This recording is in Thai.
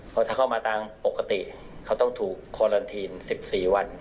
เพราะถ้าเข้ามาตามปกติเขาต้องถูกคอลันทีน๑๔วัน